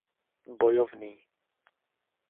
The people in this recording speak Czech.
Bojovný.